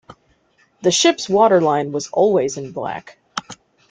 The ship's waterline was always in black.